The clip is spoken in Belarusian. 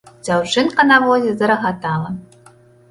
Дзяўчынка на возе зарагатала.